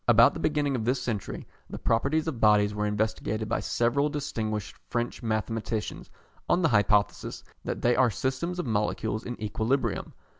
About the beginning of this century, the properties of bodies were investigated by several distinguished French mathematicians on the hypothesis that they are systems of molecules in equilibrium.